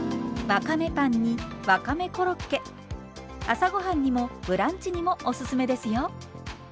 朝ご飯にもブランチにもおすすめですよ！